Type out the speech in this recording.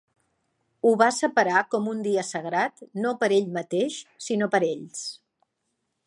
Ho va separar com un dia sagrat no per ell mateix, sinó per ells.